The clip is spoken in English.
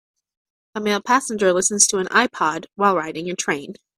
A male passenger listens to an iPod, while riding a train.